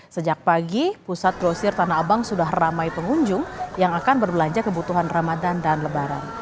sejak pagi pusat grosir tanah abang sudah ramai pengunjung yang akan berbelanja kebutuhan ramadan dan lebaran